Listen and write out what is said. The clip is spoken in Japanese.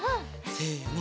せの。